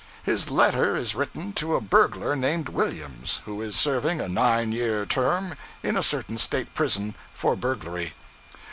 His letter is written to a burglar named Williams, who is serving a nine year term in a certain State prison, for burglary.